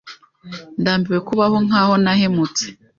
ndambiwe kubaho nkaho nahemutse,